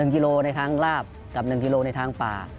กิโลในทางลาบกับ๑กิโลในทางป่า